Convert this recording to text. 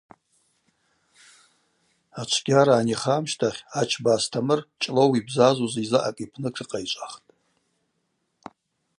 Ачвгьара аниха амщтахь Ачба Астамыр Чӏлоу йбзазуз йзаъакӏ йпны тшыкъайчӏвахтӏ.